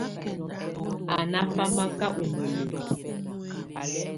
Á ná famaká u mǝlǝbǝ.